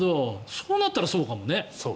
そうなったらそうかもね。